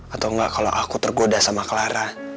atau enggak kalau aku tergoda sama clara